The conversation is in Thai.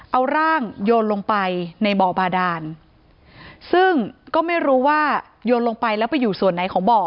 เอาร่างโยนลงไปในบ่อบาดานซึ่งก็ไม่รู้ว่าโยนลงไปแล้วไปอยู่ส่วนไหนของบ่อ